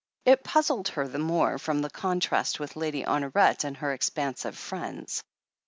It puzzled her the more from the contrast with Lady Honoret and her expansive friends.